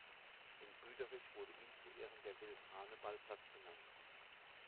In Büderich wurde ihm zu Ehren der "Will-Hanebal-Platz" benannt.